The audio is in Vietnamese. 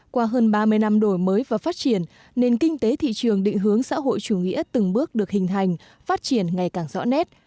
qua hơn ba mươi năm đổi mới và phát triển nền kinh tế thị trường định hướng xã hội chủ nghĩa từng bước được hình hành phát triển ngày càng rõ nét